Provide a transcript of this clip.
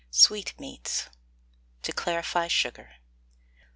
SWEETMEATS. TO CLARIFY SUGAR.